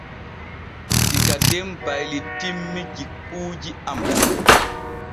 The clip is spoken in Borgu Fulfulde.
Diga den baylitinmi jikuuji am.